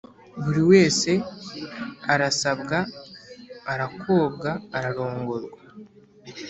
buri wese arasabwa arakobwa, ararongorwa.